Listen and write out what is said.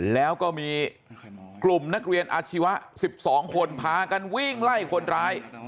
แล้วก็มีกลุ่มนักเรียนอาชีวะ๑๒คนพากันวิ่งไล่คนร้าย